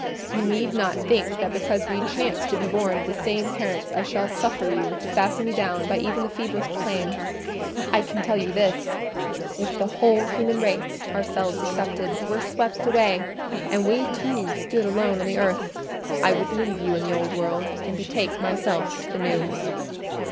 You need not think that because we chanced to be born of the same parents, I shall suffer you to fasten me down by even the feeblest claim: I can tell you this—if the whole human race, ourselves excepted, were swept away, and we two stood alone on the earth, I would leave you in the old world, and betake myself to the new."